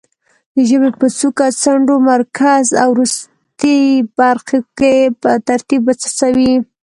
د ژبې په څوکه، څنډو، مرکز او وروستۍ برخو کې په ترتیب وڅڅوي.